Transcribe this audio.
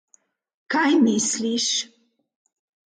Kaj misliš?